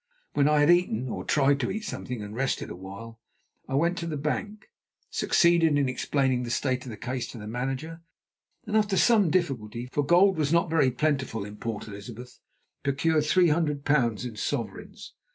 When I had eaten, or tried to eat something and rested awhile, I went to the bank, succeeded in explaining the state of the case to the manager, and after some difficulty, for gold was not very plentiful in Port Elizabeth, procured three hundred pounds in sovereigns.